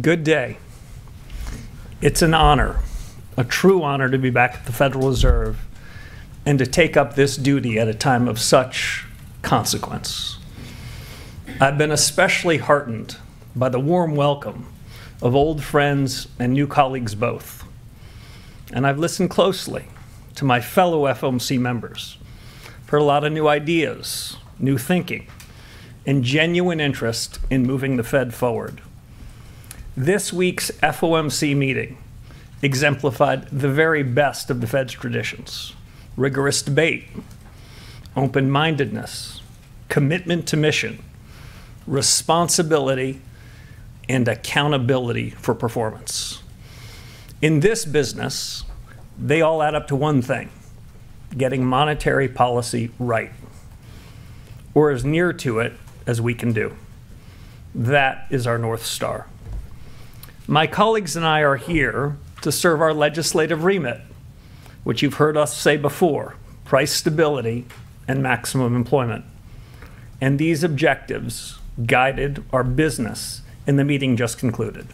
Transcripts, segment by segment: Good day. It's an honor, a true honor, to be back at the Federal Reserve and to take up this duty at a time of such consequence. I've been especially heartened by the warm welcome of old friends and new colleagues both, I've listened closely to my fellow FOMC members for a lot of new ideas, new thinking, and genuine interest in moving the Fed forward. This week's FOMC meeting exemplified the very best of the Fed's traditions, rigorous debate, open-mindedness, commitment to mission, responsibility, and accountability for performance. In this business, they all add up to one thing, getting monetary policy right, or as near to it as we can do. That is our North Star. My colleagues and I are here to serve our legislative remit, which you've heard us say before, price stability and maximum employment. These objectives guided our business in the meeting just concluded.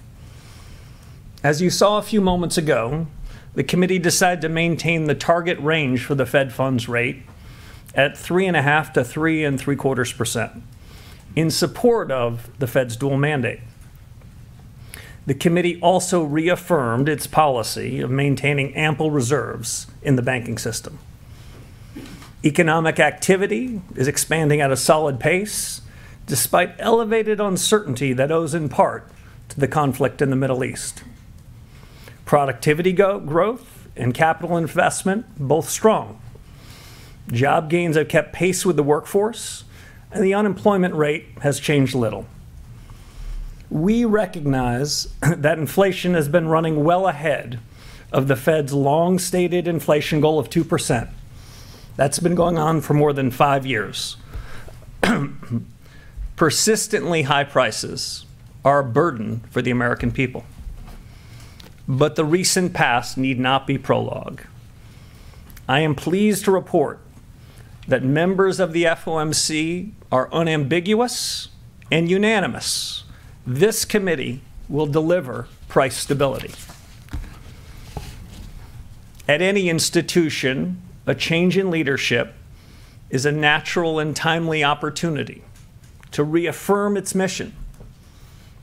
As you saw a few moments ago, the committee decided to maintain the target range for the fed funds rate at 3.5%-3.75% in support of the Fed's dual mandate. The committee also reaffirmed its policy of maintaining ample reserves in the banking system. Economic activity is expanding at a solid pace, despite elevated uncertainty that owes in part to the conflict in the Middle East. Productivity growth and capital investment, both strong. Job gains have kept pace with the workforce; the unemployment rate has changed little. We recognize that inflation has been running well ahead of the Fed's long-stated inflation goal of 2%. That's been going on for more than five years. Persistently high prices are a burden for the American people. The recent past need not be prologue. I am pleased to report that members of the FOMC are unambiguous and unanimous. This committee will deliver price stability. At any institution, a change in leadership is a natural and timely opportunity to reaffirm its mission,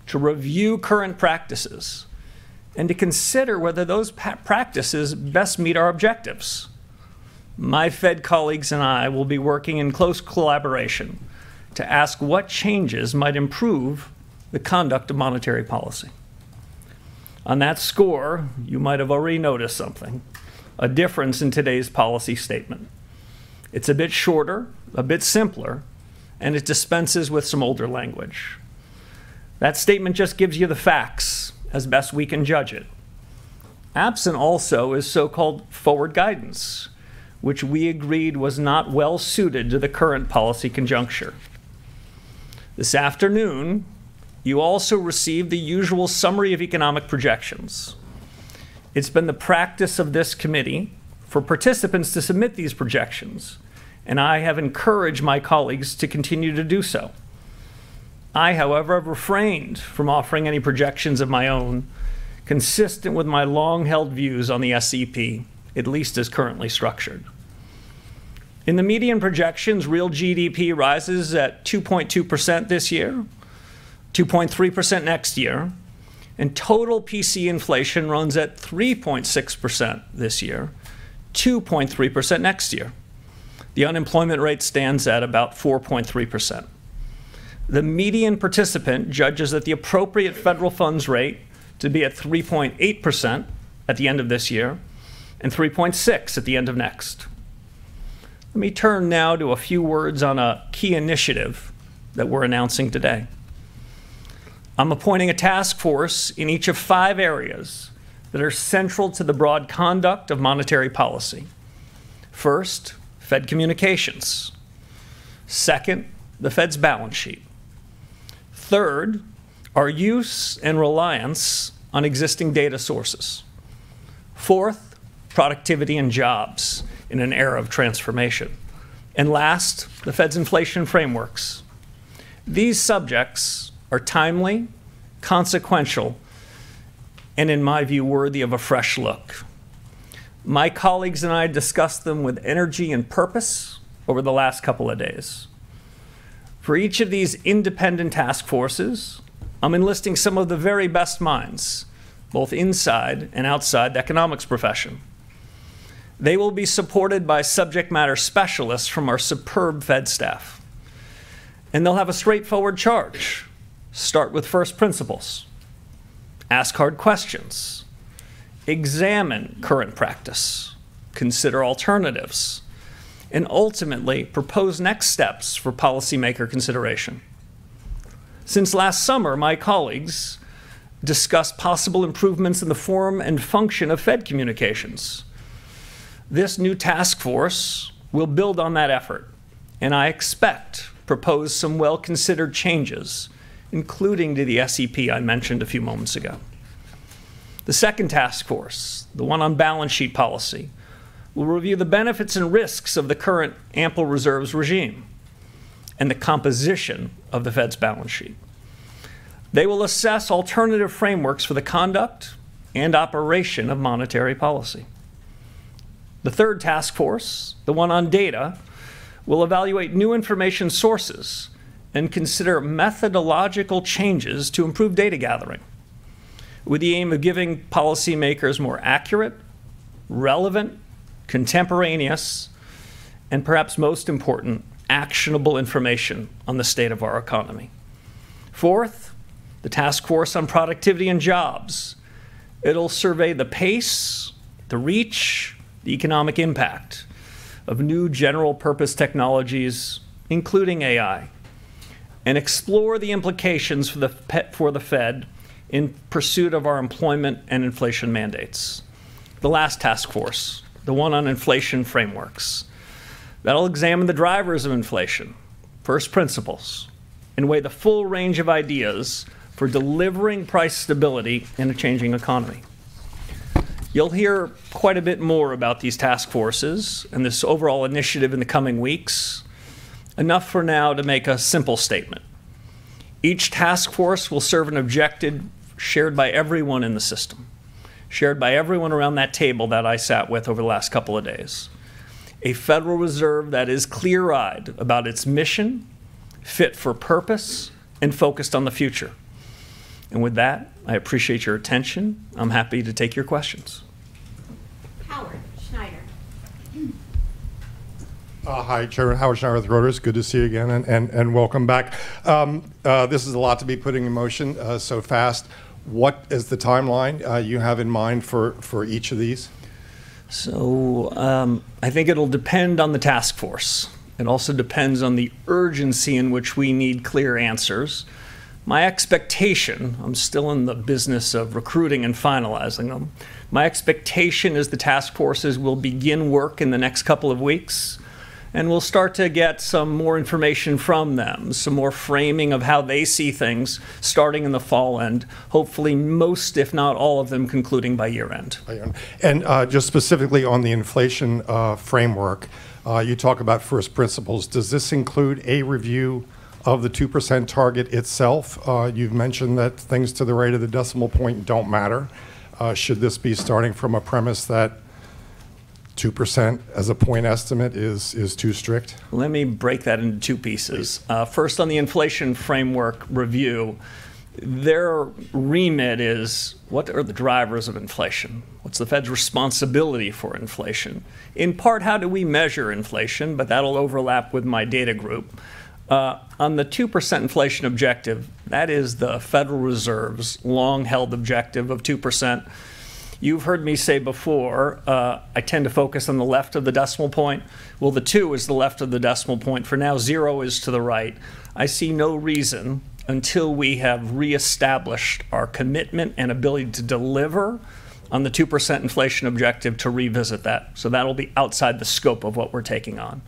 to review current practices, and to consider whether those practices best meet our objectives. My Fed colleagues and I will be working in close collaboration to ask what changes might improve the conduct of monetary policy. On that score, you might have already noticed something, a difference in today's policy statement. It's a bit shorter, a bit simpler, it dispenses with some older language. That statement just gives you the facts as best we can judge it. Absent also is so-called forward guidance, which we agreed was not well suited to the current policy conjuncture. This afternoon, you also received the usual summary of economic projections. It's been the practice of this committee for participants to submit these projections; I have encouraged my colleagues to continue to do so. I, however, have refrained from offering any projections of my own, consistent with my long-held views on the SEP, at least as currently structured. In the median projections, real GDP rises at 2.2% this year, 2.3% next year, total PCE inflation runs at 3.6% this year, 2.3% next year. The unemployment rate stands at about 4.3%. The median participant judges that the appropriate federal funds rate to be at 3.8% at the end of this year and 3.6% at the end of next. Let me turn now to a few words on a key initiative that we're announcing today. I'm appointing a task force in each of five areas that are central to the broad conduct of monetary policy. First, Fed communications. Second, the Fed's balance sheet. Third, our use and reliance on existing data sources. Fourth, productivity and jobs in an era of transformation. Last, the Fed's inflation frameworks. These subjects are timely, consequential, and in my view, worthy of a fresh look. My colleagues and I discussed them with energy and purpose over the last couple of days. For each of these independent task forces, I'm enlisting some of the very best minds, both inside and outside the economics profession. They will be supported by subject matter specialists from our superb Fed staff. They'll have a straightforward charge. Start with first principles. Ask hard questions. Examine current practice. Consider alternatives. Ultimately, propose next steps for policymaker consideration. Since last summer, my colleagues discussed possible improvements in the form and function of Fed communications. This new task force will build on that effort and, I expect, propose some well-considered changes, including to the SEP I mentioned a few moments ago. The second task force, the one on balance sheet policy, will review the benefits and risks of the current ample reserves regime and the composition of the Fed's balance sheet. They will assess alternative frameworks for the conduct and operation of monetary policy. The third task force, the one on data, will evaluate new information sources and consider methodological changes to improve data gathering with the aim of giving policymakers more accurate, relevant, contemporaneous and perhaps most important, actionable information on the state of our economy. Fourth, the task force on productivity and jobs. It'll survey the pace, the reach, the economic impact of new general-purpose technologies, including AI, and explore the implications for the Fed in pursuit of our employment and inflation mandates. The last task force, the one on inflation frameworks. That'll examine the drivers of inflation, first principles, and weigh the full range of ideas for delivering price stability in a changing economy. You'll hear quite a bit more about these task forces and this overall initiative in the coming weeks. Enough for now to make a simple statement. Each task force will serve an objective shared by everyone in the system, shared by everyone around that table that I sat with over the last couple of days. A Federal Reserve that is clear-eyed about its mission, fit for purpose, and focused on the future. With that, I appreciate your attention. I'm happy to take your questions. Howard Schneider. Hi, Chairman. Howard Schneider with Reuters. Good to see you again. Welcome back. This is a lot to be putting in motion so fast. What is the timeline you have in mind for each of these? I think it'll depend on the task force. It also depends on the urgency in which we need clear answers. My expectation, I'm still in the business of recruiting and finalizing them. My expectation is the task forces will begin work in the next couple of weeks. We'll start to get some more information from them, some more framing of how they see things starting in the fall. Hopefully most, if not all of them, concluding by year-end. Just specifically on the inflation framework, you talk about first principles. Does this include a review of the 2% target itself? You've mentioned that things to the right of the decimal point don't matter. Should this be starting from a premise that 2% as a point estimate is too strict? Let me break that into two pieces. Great. First, on the inflation framework review, their remit is what are the drivers of inflation? What is the Fed's responsibility for inflation? In part, how do we measure inflation? That will overlap with my data group. On the 2% inflation objective, that is the Federal Reserve's long-held objective of 2%. You have heard me say before, I tend to focus on the left of the decimal point. Well, the two is the left of the decimal point. For now, zero is to the right. I see no reason, until we have reestablished our commitment and ability to deliver on the 2% inflation objective, to revisit that. That will be outside the scope of what we are taking on.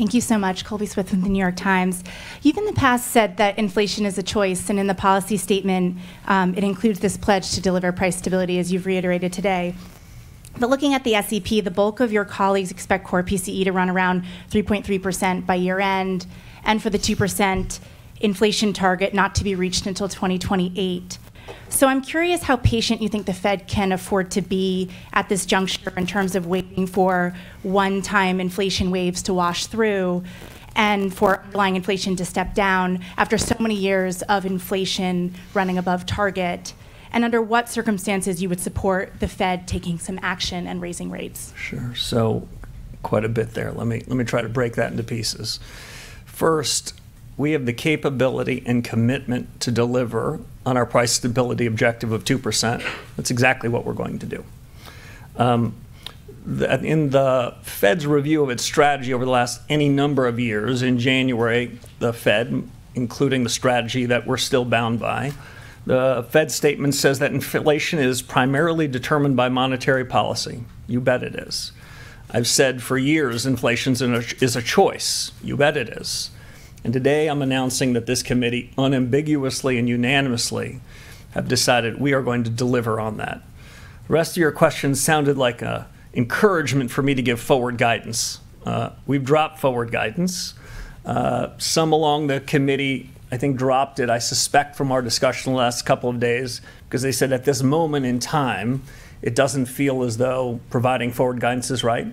Colby. Thank you so much. Colby Smith with The New York Times. You have in the past said that inflation is a choice, in the policy statement, it includes this pledge to deliver price stability, as you have reiterated today. Looking at the SEP, the bulk of your colleagues expect core PCE to run around 3.3% by year-end, for the 2% inflation target not to be reached until 2028. I am curious how patient you think the Fed can afford to be at this juncture in terms of waiting for one-time inflation waves to wash through and for underlying inflation to step down after so many years of inflation running above target, under what circumstances you would support the Fed taking some action and raising rates? Sure. Quite a bit there. Let me try to break that into pieces. First, we have the capability and commitment to deliver on our price stability objective of 2%. That is exactly what we are going to do. In the Fed's review of its strategy over the last any number of years, in January, the Fed, including the strategy that we are still bound by, the Fed statement says that inflation is primarily determined by monetary policy. You bet it is. I have said for years inflation is a choice. You bet it is. Today I am announcing that this committee, unambiguously and unanimously, have decided we are going to deliver on that. The rest of your question sounded like an encouragement for me to give forward guidance. We have dropped forward guidance. Some along the committee, I think, dropped it, I suspect, from our discussion the last couple of days because they said at this moment in time, it does not feel as though providing forward guidance is right.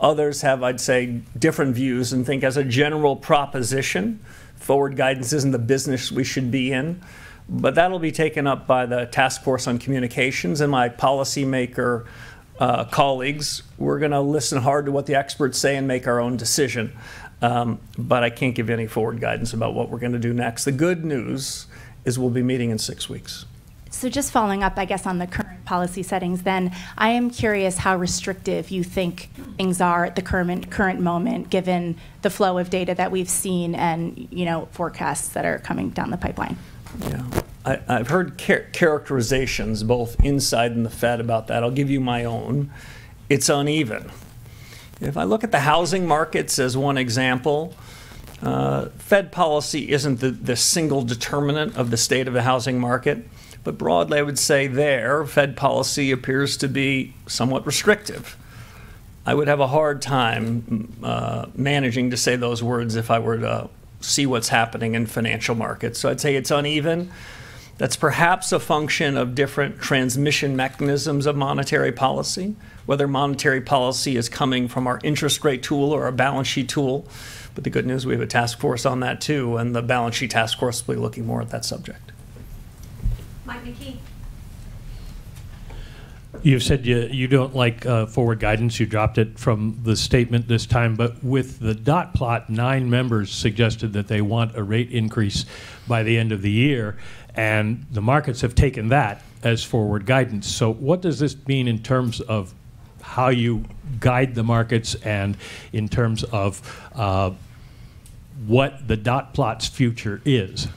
Others have, I would say, different views and think as a general proposition, forward guidance is not the business we should be in. That will be taken up by the task force on communications and my policymaker colleagues. We are going to listen hard to what the experts say and make our own decision. I cannot give any forward guidance about what we are going to do next. The good news is we will be meeting in six weeks. Just following up, I guess, on the current policy settings then, I am curious how restrictive you think things are at the current moment, given the flow of data that we've seen and forecasts that are coming down the pipeline. I've heard characterizations both inside and the Fed about that. I'll give you my own. It's uneven. If I look at the housing markets as one example, Fed policy isn't the single determinant of the state of the housing market, but broadly, I will say there, Fed policy appears to be somewhat restrictive. I would have a hard time managing to say those words if I were to see what's happening in financial markets. I'd say it's uneven. That's perhaps a function of different transmission mechanisms of monetary policy, whether monetary policy is coming from our interest rate tool or our balance sheet tool. The good news, we have a task force on that, too, and the balance sheet task force will be looking more at that subject. Michael McKee. You've said you don't like forward guidance. You dropped it from the statement this time. With the dot plot, nine members suggested that they want a rate increase by the end of the year, and the markets have taken that as forward guidance. What does this mean in terms of how you guide the markets and in terms of what the dot plot's future is?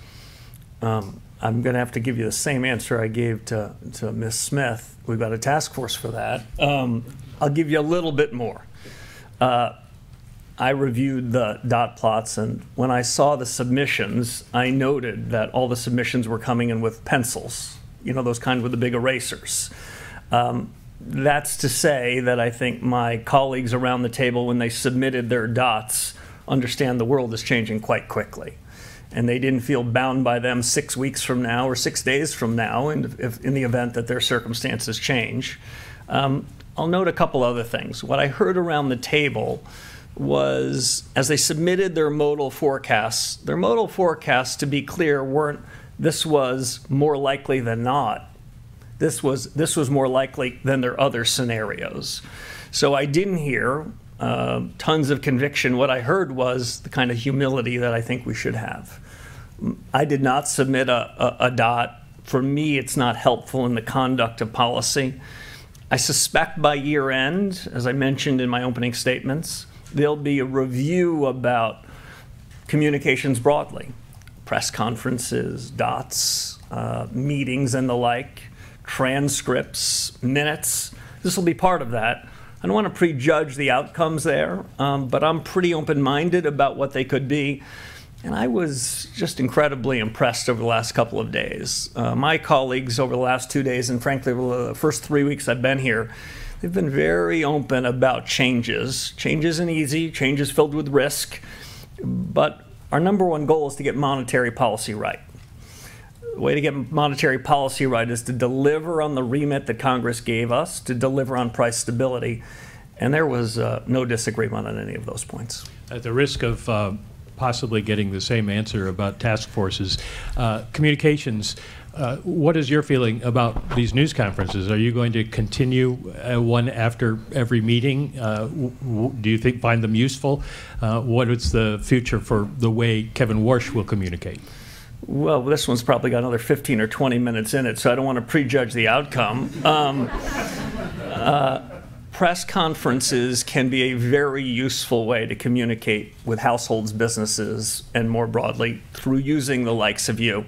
I'm going to have to give you the same answer I gave to Ms. Smith. We've got a task force for that. I'll give you a little bit more. I reviewed the dot plots, and when I saw the submissions, I noted that all the submissions were coming in with pencils. Those kind with the big erasers. That's to say that I think my colleagues around the table, when they submitted their dots, understand the world is changing quite quickly. They didn't feel bound by them six weeks from now or six days from now in the event that their circumstances change. I'll note a couple other things. What I heard around the table was, as they submitted their modal forecasts, to be clear, this was more likely than not. This was more likely than their other scenarios. I didn't hear tons of conviction. What I heard was the kind of humility that I think we should have. I did not submit a dot. For me, it's not helpful in the conduct of policy. I suspect by year-end, as I mentioned in my opening statements, there'll be a review about communications broadly. Press conferences, dots, meetings and the like, transcripts, minutes. This will be part of that. I don't want to prejudge the outcomes there, but I'm pretty open-minded about what they could be. I was just incredibly impressed over the last couple of days. My colleagues over the last two days, and frankly, the first three weeks I've been here, they've been very open about changes. Change isn't easy. Change is filled with risk. Our number one goal is to get monetary policy right. The way to get monetary policy right is to deliver on the remit that Congress gave us, to deliver on price stability. There was no disagreement on any of those points. At the risk of possibly getting the same answer about task forces. Communications, what is you're feeling about these news conferences? Are you going to continue one after every meeting? Do you think find them useful? What is the future for the way Kevin Warsh will communicate? Well, this one's probably got another 15 or 20 minutes in it, so I don't want to prejudge the outcome. Press conferences can be a very useful way to communicate with households, businesses, and more broadly, through using the likes of you.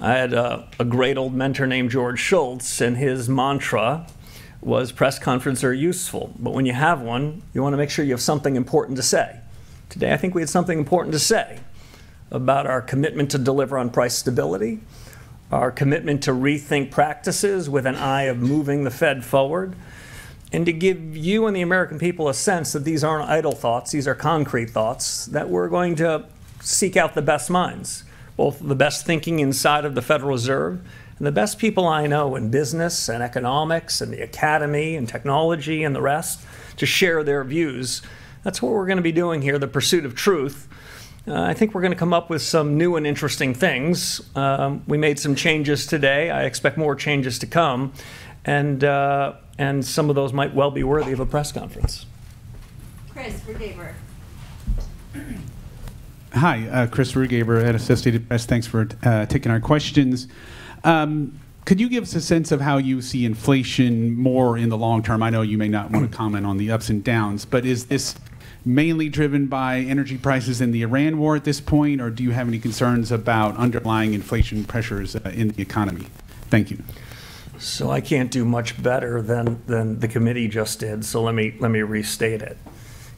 I had a great old mentor named George Shultz, and his mantra was, "Press conferences are useful. When you have one, you want to make sure you have something important to say." Today, I think we have something important to say about our commitment to deliver on price stability, our commitment to rethink practices with an eye of moving the Fed forward, and to give you and the American people a sense that these aren't idle thoughts, these are concrete thoughts, that we're going to seek out the best minds, both the best thinking inside of the Federal Reserve and the best people I know in business and economics and the academy and technology and the rest to share their views. That's what we're going to be doing here, the pursuit of truth. I think we're going to come up with some new and interesting things. We made some changes today. I expect more changes to come, and some of those might well be worthy of a press conference. Christopher Rugaber. Hi, Christopher Rugaber at Associated Press. Thanks for taking our questions. Could you give us a sense of how you see inflation more in the long term? I know you may not want to comment on the ups and downs, is this mainly driven by energy prices in the Iran war at this point, or do you have any concerns about underlying inflation pressures in the economy? Thank you. I can't do much better than the committee just did, so let me restate it.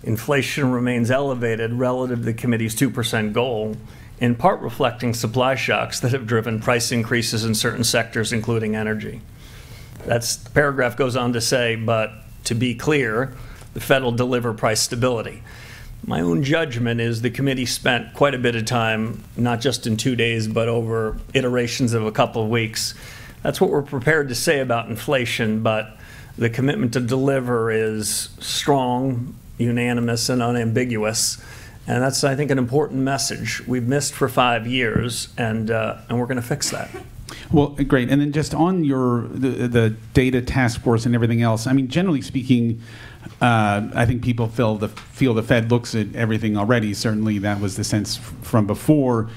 Inflation remains elevated relative to the committee's 2% goal, in part reflecting supply shocks that have driven price increases in certain sectors, including energy. The paragraph goes on to say, to be clear, the Fed will deliver price stability. My own judgment is the committee spent quite a bit of time, not just in two days, over iterations of a couple of weeks. That's what we're prepared to say about inflation, the commitment to deliver is strong, unanimous, and unambiguous. That's, I think, an important message we've missed for five years, and we're going to fix that. Well, great. Just on the data task force and everything else, generally speaking, I think people feel the Fed looks at everything already. Certainly, that was the sense from before.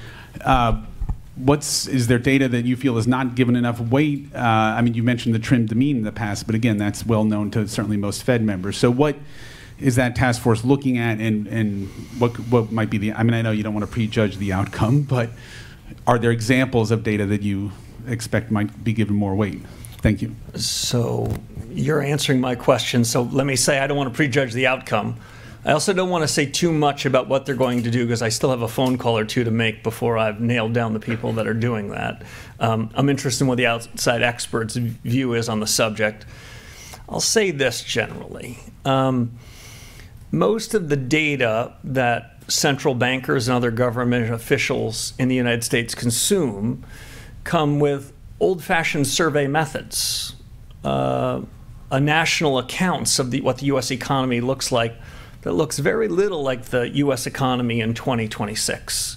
Is there data that you feel is not given enough weight? You mentioned the trimmed mean in the past, again, that's well-known to certainly most Fed members. What is that task force looking at, and what might be? I know you don't want to prejudge the outcome. Are there examples of data that you expect might be given more weight? Thank you. You're answering my question. Let me say, I don't want to prejudge the outcome. I also don't want to say too much about what they're going to do, because I still have a phone call or two to make before I've nailed down the people that are doing that. I'm interested in what the outside experts' view is on the subject. I'll say this generally. Most of the data that central bankers and other government officials in the U.S. consume come with old-fashioned survey methods, national accounts of what the U.S. economy looks like that looks very little like the U.S. economy in 2026.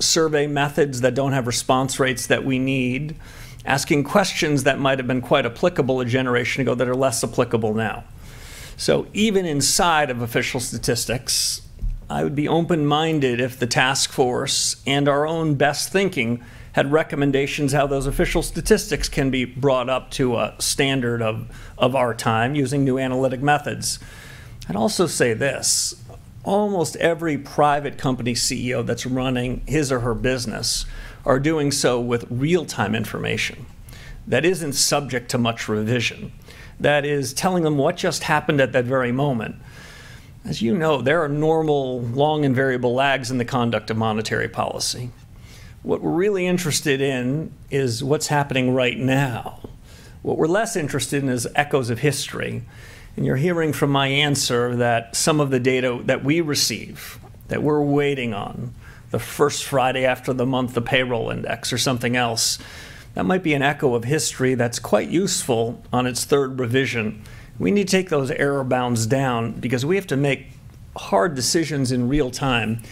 Survey methods that don't have response rates that we need, asking questions that might have been quite applicable a generation ago that are less applicable now. Even inside of official statistics, I would be open-minded if the task force and our own best thinking had recommendations how those official statistics can be brought up to a standard of our time using new analytic methods. I'd also say this. Almost every private company CEO that's running his or her business are doing so with real-time information that isn't subject to much revision, that is telling them what just happened at that very moment. As you know, there are normal, long, and variable lags in the conduct of monetary policy. What we're really interested in is what's happening right now. What we're less interested in is echoes of history. You're hearing from my answer that some of the data that we receive, that we're waiting on, the first Friday after the month, the payroll report or something else, that might be an echo of history that's quite useful on its third revision. We need to take those error bounds down because we have to make hard decisions in real time.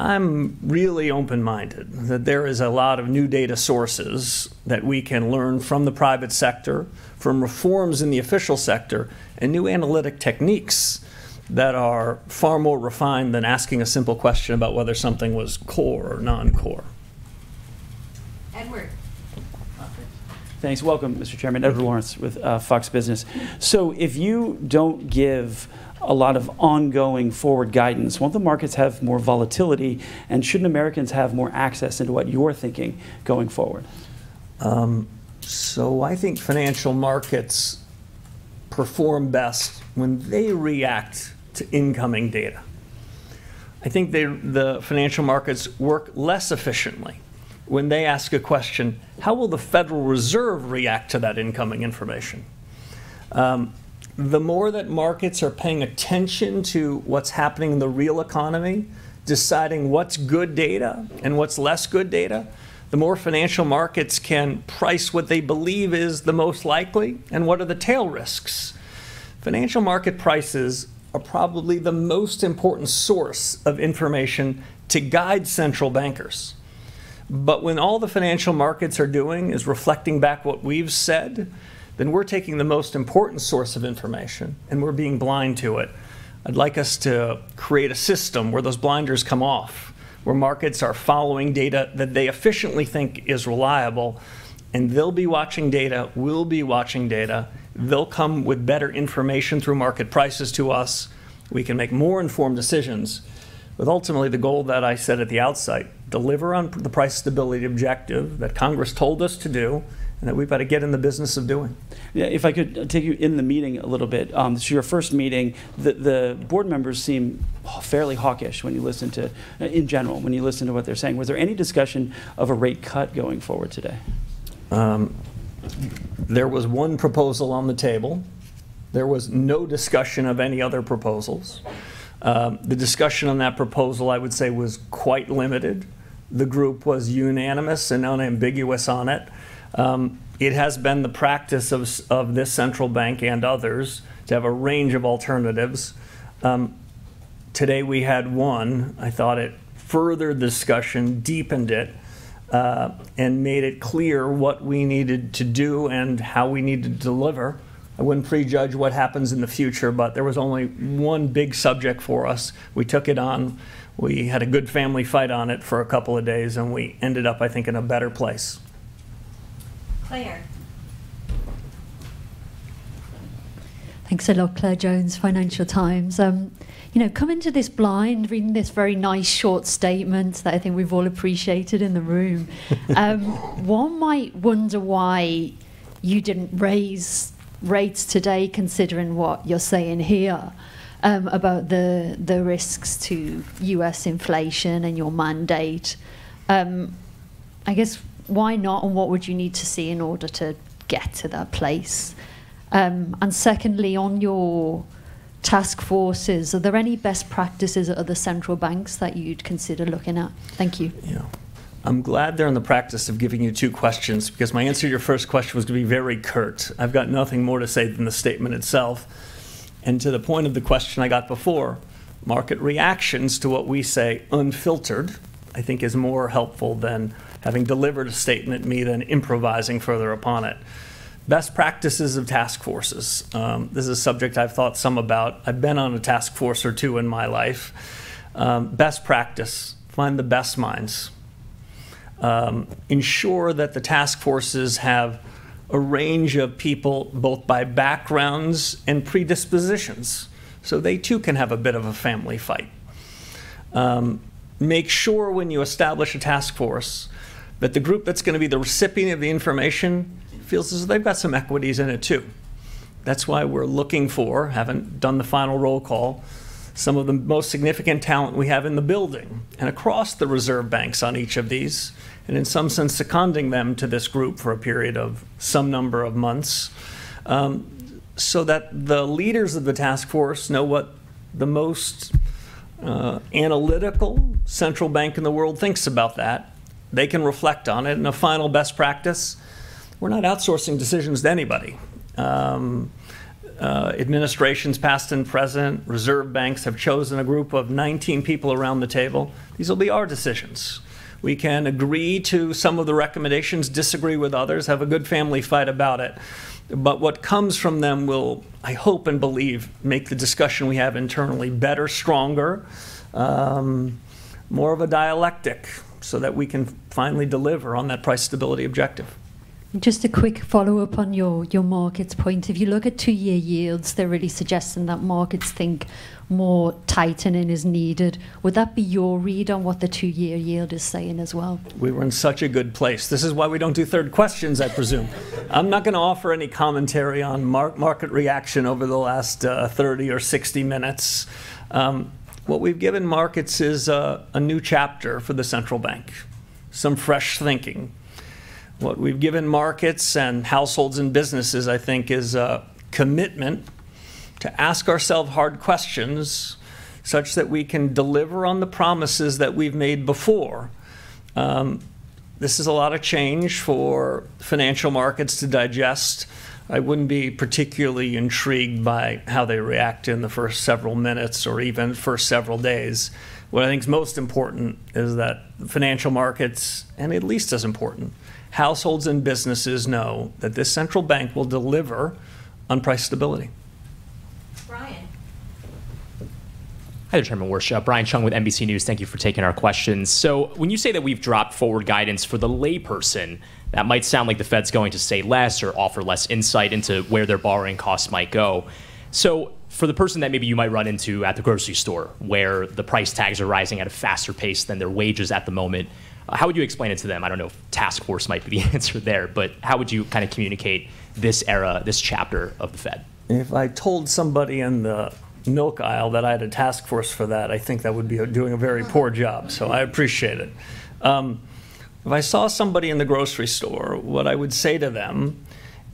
I'm really open-minded that there is a lot of new data sources that we can learn from the private sector, from reforms in the official sector, and new analytic techniques that are far more refined than asking a simple question about whether something was core or non-core. Edward. Thanks. Welcome, Mr. Chairman. Edward Lawrence with Fox Business. If you don't give a lot of ongoing forward guidance, won't the markets have more volatility, and shouldn't Americans have more access into what you're thinking going forward? I think financial markets perform best when they react to incoming data. I think the financial markets work less efficiently when they ask a question, how will the Federal Reserve react to that incoming information? The more that markets are paying attention to what's happening in the real economy, deciding what's good data and what's less good data, the more financial markets can price what they believe is the most likely and what are the tail risks. Financial market prices are probably the most important source of information to guide central bankers. When all the financial markets are doing is reflecting back what we've said, then we're taking the most important source of information and we're being blind to it. I'd like us to create a system where those blinders come off, where markets are following data that they efficiently think is reliable, and they'll be watching data, we'll be watching data. They'll come with better information through market prices to us. We can make more informed decisions with ultimately the goal that I said at the outside, deliver on the price stability objective that Congress told us to do and that we better get in the business of doing. Yeah, if I could take you in the meeting a little bit. This is your first meeting. The board members seem fairly hawkish when you listen to, in general, when you listen to what they're saying. Was there any discussion of a rate cut going forward today? There was one proposal on the table. There was no discussion of any other proposals. The discussion on that proposal, I would say, was quite limited. The group was unanimous and unambiguous on it. It has been the practice of this central bank and others to have a range of alternatives. Today we had one. I thought further discussion deepened it, and made it clear what we needed to do and how we need to deliver. I wouldn't prejudge what happens in the future, but there was only one big subject for us. We took it on, we had a good family fight on it for a couple of days, and we ended up, I think, in a better place. Claire. Thanks a lot. Claire Jones, Financial Times. Coming to this blind, reading this very nice short statement that I think we've all appreciated in the room. One might wonder why you didn't raise rates today, considering what you're saying here about the risks to U.S. inflation and your mandate. I guess, why not, and what would you need to see in order to get to that place? Secondly, on your task forces, are there any best practices at other central banks that you'd consider looking at? Thank you. Yeah. I'm glad they're in the practice of giving you two questions because my answer to your first question was going to be very curt. I've got nothing more to say than the statement itself. To the point of the question I got before, market reactions to what we say unfiltered, I think is more helpful than having delivered a statement, me then improvising further upon it. Best practices of task forces. This is a subject I've thought some about. I've been on a task force or two in my life. Best practice, find the best minds. Ensure that the task forces have a range of people, both by backgrounds and predispositions, so they too can have a bit of a family fight. Make sure when you establish a task force that the group that's going to be the recipient of the information feels as if they've got some equities in it, too. That's why we're looking for, haven't done the final roll call, some of the most significant talent we have in the building and across the reserve banks on each of these, and in some sense, seconding them to this group for a period of some number of months, so that the leaders of the task force know what the most analytical central bank in the world thinks about that. They can reflect on it in a final best practice. We're not outsourcing decisions to anybody. Administrations, past and present, reserve banks have chosen a group of 19 people around the table. These will be our decisions. We can agree to some of the recommendations, disagree with others, have a good family fight about it, what comes from them will, I hope and believe, make the discussion we have internally better, stronger, more of a dialectic so that we can finally deliver on that price stability objective. Just a quick follow-up on your markets point. If you look at two-year yields, they're really suggesting that markets think more tightening is needed. Would that be your read on what the two-year yield is saying as well? We were in such a good place. This is why we don't do third questions, I presume. I'm not going to offer any commentary on market reaction over the last 30 or 60 minutes. What we've given markets is a new chapter for the central bank, some fresh thinking. What we've given markets and households and businesses, I think, is a commitment to ask ourselves hard questions such that we can deliver on the promises that we've made before. This is a lot of change for financial markets to digest. I wouldn't be particularly intrigued by how they react in the first several minutes or even first several days. What I think is most important is that financial markets, and at least as important, households and businesses know that this central bank will deliver on price stability. Brian. Hi there, Chairman Warsh. Brian Cheung with NBC News. Thank you for taking our questions. When you say that we've dropped forward guidance for the layperson, that might sound like the Fed's going to say less or offer less insight into where their borrowing costs might go. For the person that maybe you might run into at the grocery store, where the price tags are rising at a faster pace than their wages at the moment, how would you explain it to them? I don't know if task force might be the answer there, how would you communicate this era, this chapter of the Fed? If I told somebody in the milk aisle that I had a task force for that, I think that would be doing a very poor job, I appreciate it. If I saw somebody in the grocery store, what I would say to them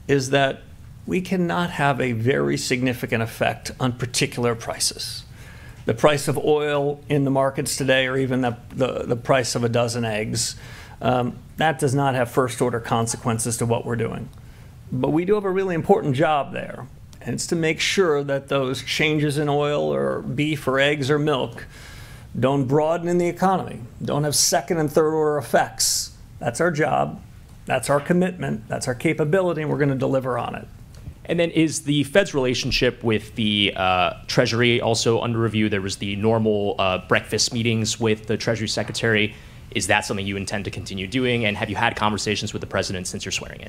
is that we cannot have a very significant effect on particular prices. The price of oil in the markets today or even the price of a dozen eggs, that does not have first-order consequences to what we're doing. We do have a really important job there, and it's to make sure that those changes in oil or beef or eggs or milk don't broaden in the economy, don't have second and third-order effects. That's our job, that's our commitment, that's our capability, and we're going to deliver on it. Is the Fed's relationship with the Treasury also under review? There was the normal breakfast meetings with the Treasury Secretary. Is that something you intend to continue doing? Have you had conversations with the president since your swearing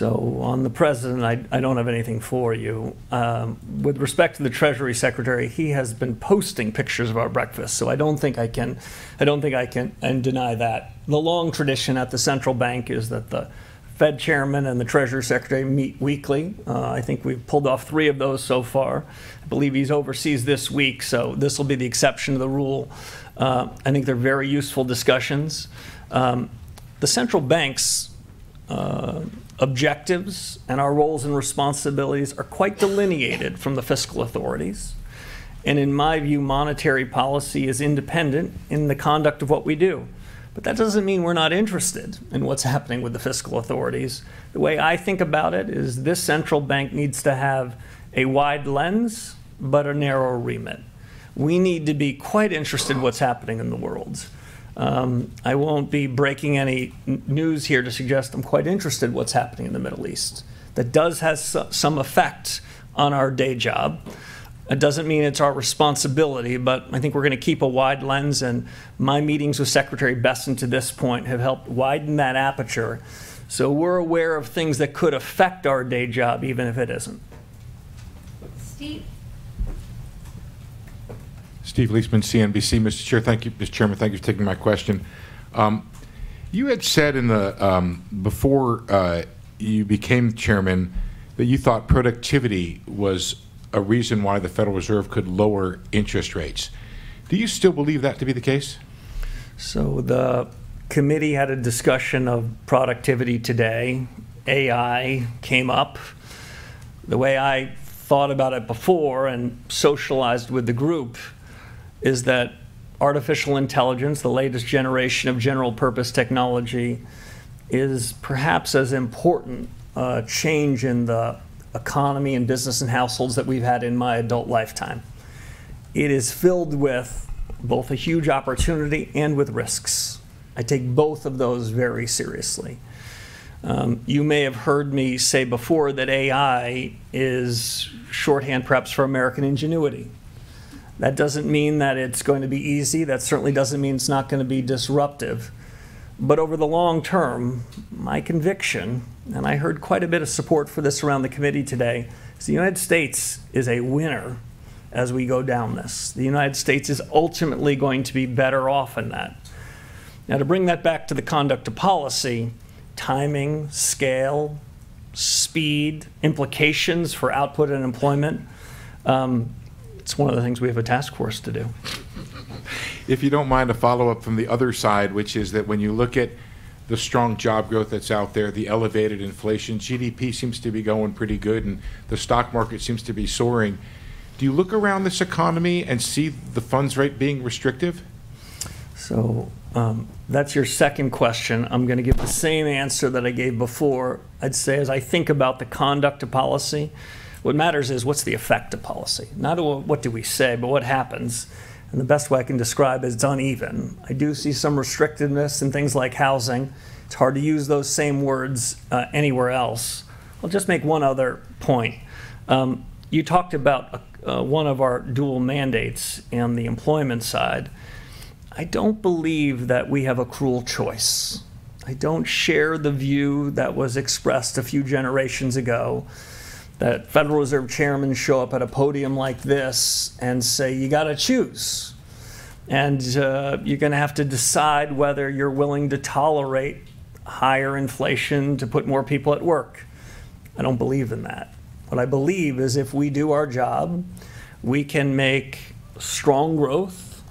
in? On the president, I don't have anything for you. With respect to the Treasury Secretary, he has been posting pictures of our breakfast, I don't think I can deny that. The long tradition at the central bank is that the Fed Chairman and the Treasury Secretary meet weekly. I think we've pulled off three of those so far. I believe he's overseas this week, this will be the exception to the rule. I think they're very useful discussions. The central bank's objectives and our roles and responsibilities are quite delineated from the fiscal authorities. In my view, monetary policy is independent in the conduct of what we do. That doesn't mean we're not interested in what's happening with the fiscal authorities. The way I think about it is this central bank needs to have a wide lens, but a narrower remit. We need to be quite interested in what's happening in the world. I won't be breaking any news here to suggest I'm quite interested in what's happening in the Middle East. That does have some effect on our day job. It doesn't mean it's our responsibility, I think we're going to keep a wide lens, and my meetings with Secretary Bessent to this point have helped widen that aperture. We're aware of things that could affect our day job, even if it isn't. Steve. Steve Liesman, CNBC. Mr. Chair, thank you. Mr. Chairman, thank you for taking my question. You had said before you became Chairman that you thought productivity was a reason why the Federal Reserve could lower interest rates. Do you still believe that to be the case? The committee had a discussion of productivity today. AI came up. The way I thought about it before and socialized with the group is that artificial intelligence, the latest generation of general purpose technology, is perhaps as important a change in the economy and business and households that we've had in my adult lifetime. It is filled with both a huge opportunity and with risks. I take both of those very seriously. You may have heard me say before that AI is shorthand perhaps for American ingenuity. That doesn't mean that it's going to be easy. That certainly doesn't mean it's not going to be disruptive. But over the long term, my conviction, and I heard quite a bit of support for this around the committee today, is the United States is a winner as we go down this. The United States is ultimately going to be better off in that. To bring that back to the conduct of policy, timing, scale, speed, implications for output and employment, it's one of the things we have a task force to do. If you don't mind, a follow-up from the other side, which is that when you look at the strong job growth that's out there, the elevated inflation, GDP seems to be going pretty good, and the stock market seems to be soaring. Do you look around this economy and see the funds rate being restrictive? That's your second question. I'm going to give the same answer that I gave before. I'd say, as I think about the conduct of policy, what matters is what's the effect of policy. Not what do we say, but what happens, and the best way I can describe it is it's uneven. I do see some restrictiveness in things like housing. It's hard to use those same words anywhere else. I'll just make one other point. You talked about one of our dual mandates on the employment side. I don't believe that we have a cruel choice. I don't share the view that was expressed a few generations ago that Federal Reserve Chairmen show up at a podium like this and say, "You got to choose, and you're going to have to decide whether you're willing to tolerate higher inflation to put more people at work." I don't believe in that. What I believe is if we do our job, we can make strong growth,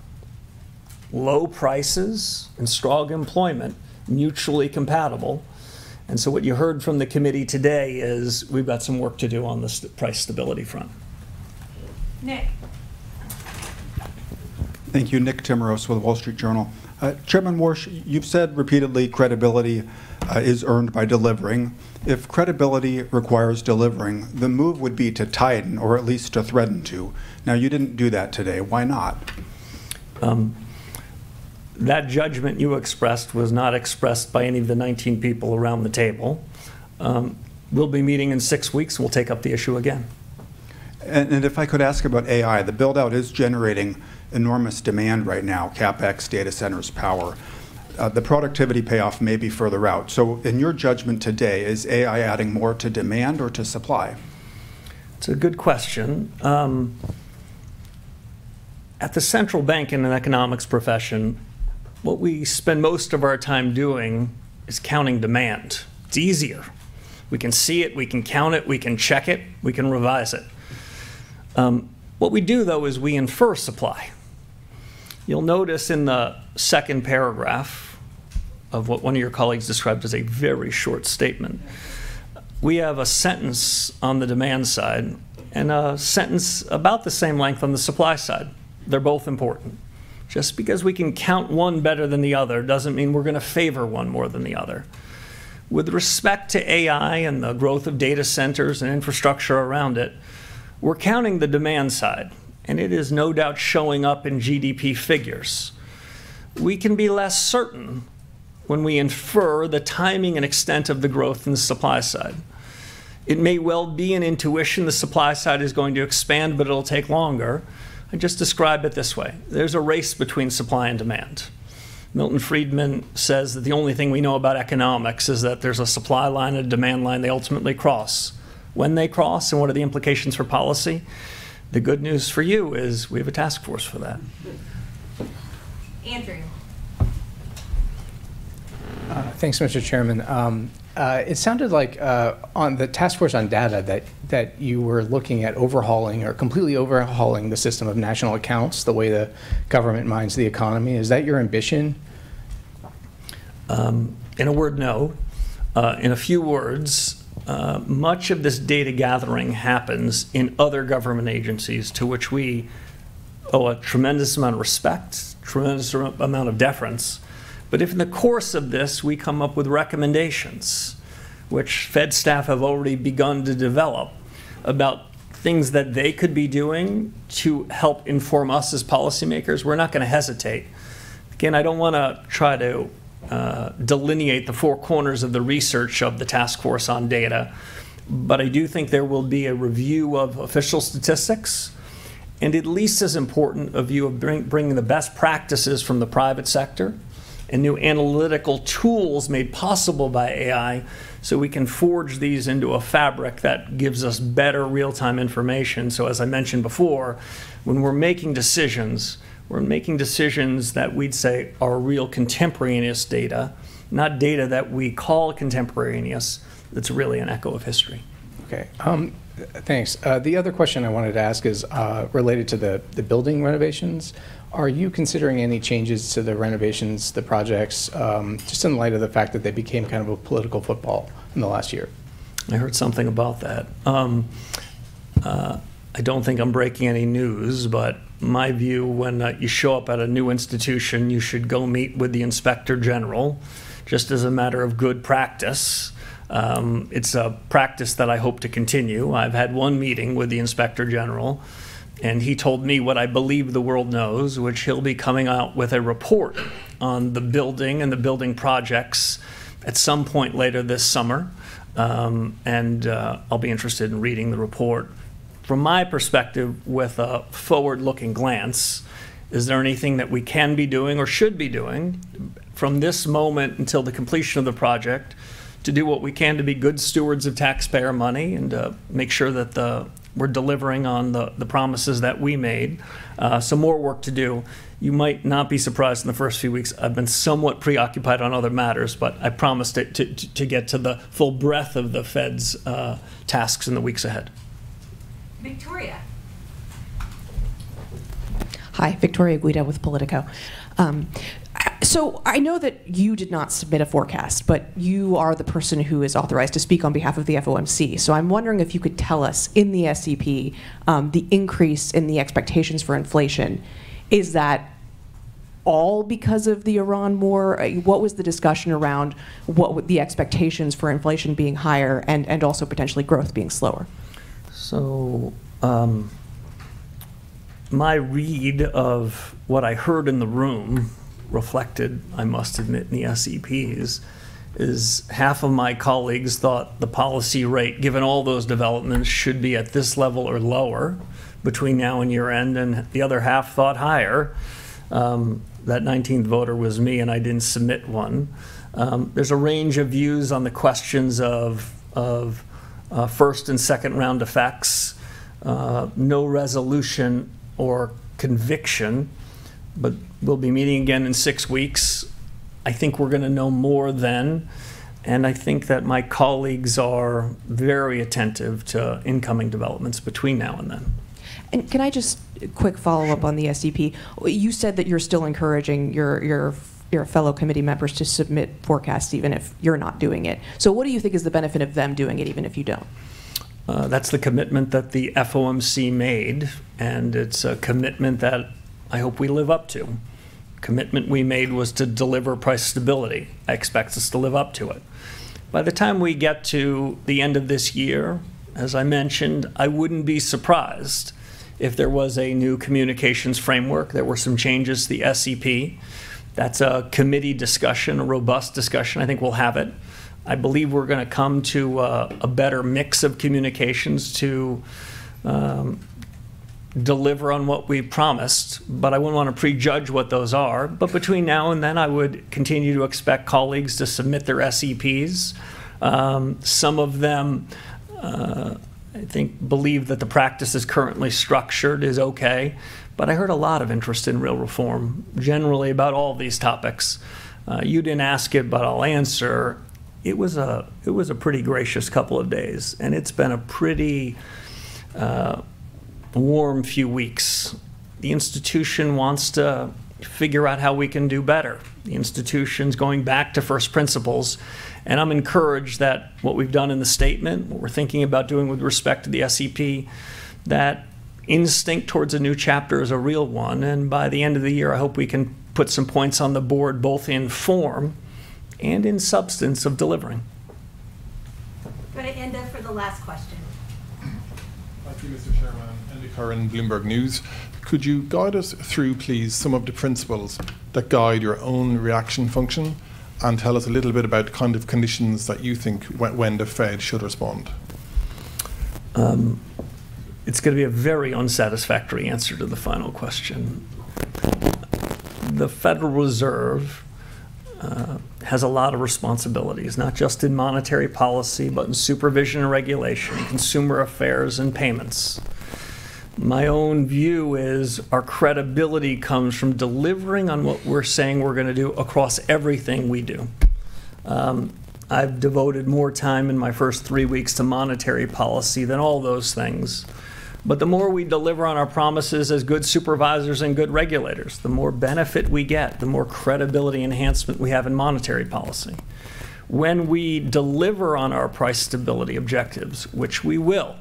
low prices, and strong employment mutually compatible. What you heard from the committee today is, we've got some work to do on this price stability front. Nick. Thank you. Nick Timiraos with The Wall Street Journal. Chairman Warsh, you've said repeatedly credibility is earned by delivering. If credibility requires delivering, the move would be to tighten or at least to threaten to. Now, you didn't do that today. Why not? That judgment you expressed was not expressed by any of the 19 people around the table. We'll be meeting in six weeks, and we'll take up the issue again. If I could ask about AI, the build-out is generating enormous demand right now, CapEx, data centers, power. The productivity payoff may be further out. In your judgment today, is AI adding more to demand or to supply? It's a good question. At the central bank and in the economics profession, what we spend most of our time doing is counting demand. It's easier. We can see it, we can count it, we can check it, we can revise it. What we do, though, is we infer supply. You'll notice in the second paragraph of what one of your colleagues described as a very short statement, we have a sentence on the demand side and a sentence about the same length on the supply side. They're both important. Just because we can count one better than the other doesn't mean we're going to favor one more than the other. With respect to AI and the growth of data centers and infrastructure around it, we're counting the demand side, and it is no doubt showing up in GDP figures. We can be less certain when we infer the timing and extent of the growth in the supply side. It may well be an intuition the supply side is going to expand, but it'll take longer. I'd just describe it this way. There's a race between supply and demand. Milton Friedman says that the only thing we know about economics is that there's a supply line and a demand line. They ultimately cross. When they cross, and what are the implications for policy? The good news for you is we have a task force for that. Andrew. Thanks, Mr. Chairman. It sounded like on the task force on data that you were looking at overhauling or completely overhauling the system of national accounts the way the government minds the economy. Is that your ambition? In a word, no. In a few words, much of this data gathering happens in other government agencies to which we owe a tremendous amount of respect, tremendous amount of deference. If in the course of this, we come up with recommendations which Fed staff have already begun to develop about things that they could be doing to help inform us as policymakers, we're not going to hesitate. Again, I don't want to try to delineate the four corners of the research of the task force on data. I do think there will be a review of official statistics and at least as important, a view of bringing the best practices from the private sector and new analytical tools made possible by AI so we can forge these into a fabric that gives us better real-time information. As I mentioned before, when we're making decisions, we're making decisions that we'd say are real contemporaneous data, not data that we call contemporaneous that's really an echo of history. Okay. Thanks. The other question I wanted to ask is related to the building renovations. Are you considering any changes to the renovations, the projects, just in light of the fact that they became kind of a political football in the last year? I heard something about that. I don't think I'm breaking any news, my view when you show up at a new institution, you should go meet with the inspector general just as a matter of good practice. It's a practice that I hope to continue. I've had one meeting with the inspector general, he told me what I believe the world knows, which he'll be coming out with a report on the building and the building projects at some point later this summer, I'll be interested in reading the report. From my perspective, with a forward-looking glance, is there anything that we can be doing or should be doing from this moment until the completion of the project to do what we can to be good stewards of taxpayer money and to make sure that we're delivering on the promises that we made? More work to do. You might not be surprised, in the first few weeks, I've been somewhat preoccupied on other matters. I promise to get to the full breadth of the Fed's tasks in the weeks ahead. Victoria. Hi. Victoria Guida with Politico. I know that you did not submit a forecast, but you are the person who is authorized to speak on behalf of the FOMC. I'm wondering if you could tell us, in the SEP, the increase in the expectations for inflation, is that all because of the Iran war? What was the discussion around what would the expectations for inflation being higher and also potentially growth being slower? My read of what I heard in the room reflected, I must admit, in the SEPs, is half of my colleagues thought the policy rate, given all those developments, should be at this level or lower between now and year-end, and the other half thought higher. That 19th voter was me, and I didn't submit one. There's a range of views on the questions of first and second-round effects. No resolution or conviction, but we'll be meeting again in six weeks. I think we're going to know more then, and I think that my colleagues are very attentive to incoming developments between now and then. Can I just, quick follow-up on the SEP. You said that you're still encouraging your fellow committee members to submit forecasts even if you're not doing it. What do you think is the benefit of them doing it, even if you don't? That's the commitment that the FOMC made, and it's a commitment that I hope we live up to. The commitment we made was to deliver price stability. I expect us to live up to it. By the time we get to the end of this year, as I mentioned, I wouldn't be surprised if there was a new communications framework, there were some changes to the SEP. That's a committee discussion, a robust discussion. I think we'll have it. I believe we're going to come to a better mix of communications to deliver on what we promised. I wouldn't want to prejudge what those are. Between now and then, I would continue to expect colleagues to submit their SEPs. Some of them, I think, believe that the practice as currently structured is okay. I heard a lot of interest in real reform, generally about all of these topics. You didn't ask it, but I'll answer. It was a pretty gracious couple of days, and it's been a pretty warm few week. The institution wants to figure out how we can do better. The institution's going back to first principles, and I'm encouraged that what we've done in the statement, what we're thinking about doing with respect to the SEP, that instinct towards a new chapter is a real one. By the end of the year, I hope we can put some points on the board, both in form and in substance of delivering. Go to Enda for the last question. Thank you, Mr. Chairman. Enda Curran, Bloomberg News. Could you guide us through, please, some of the principles that guide your own reaction function? Tell us a little bit about the kind of conditions that you think when the Fed should respond. It's going to be a very unsatisfactory answer to the final question. The Federal Reserve has a lot of responsibilities, not just in monetary policy, but in supervision and regulation, consumer affairs, and payments. My own view is our credibility comes from delivering on what we're saying we're going to do across everything we do. I've devoted more time in my first three weeks to monetary policy than all those things. The more we deliver on our promises as good supervisors and good regulators, the more benefit we get, the more credibility enhancement we have in monetary policy. When we deliver on our price stability objectives, which we will,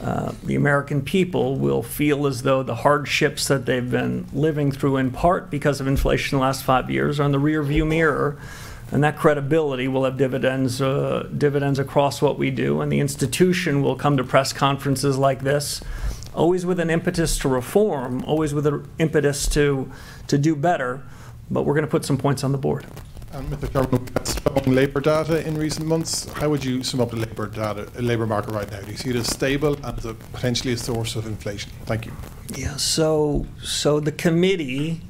the American people will feel as though the hardships that they've been living through, in part because of inflation in the last five years, are in the rear-view mirror. That credibility will have dividends across what we do, and the institution will come to press conferences like this always with an impetus to reform, always with an impetus to do better. We're going to put some points on the board. With the government strong labor data in recent months, how would you sum up the labor market right now? Do you see it as stable and potentially a source of inflation? Thank you. Yeah. The Committee,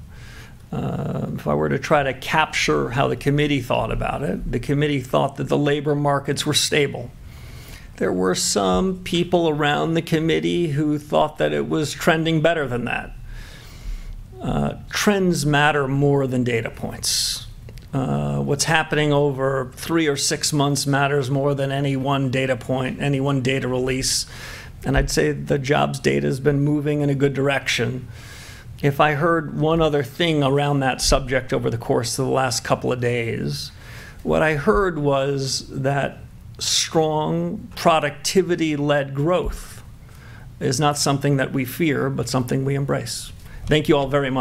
if I were to try to capture how the Committee thought about it, the Committee thought that the labor markets were stable. There were some people around the Committee who thought that it was trending better than that. Trends matter more than data points. What's happening over three or six months matters more than any one data point, any one data release. I'd say the jobs data has been moving in a good direction. If I heard one other thing around that subject over the course of the last couple of days, what I heard was that strong productivity-led growth is not something that we fear, but something we embrace. Thank you all very much